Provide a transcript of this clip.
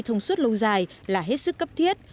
thông suất lâu dài là hết sức cấp thiết